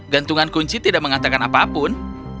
gantungan kunci tidak mengatakan apapun